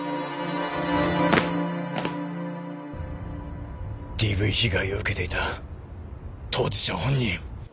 ＤＶ被害を受けていた当事者本人。